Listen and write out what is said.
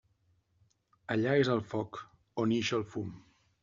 Allà és el foc, on ix el fum.